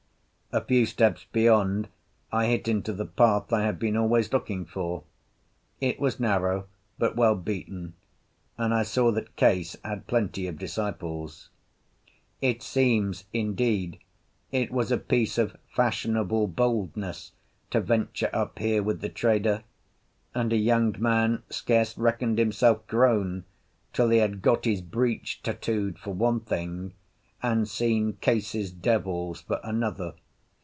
A few steps beyond I hit into the path I had been always looking for. It was narrow, but well beaten, and I saw that Case had plenty of disciples. It seems, indeed, it was a piece of fashionable boldness to venture up here with the trader, and a young man scarce reckoned himself grown till he had got his breech tattooed, for one thing, and seen Case's devils for another.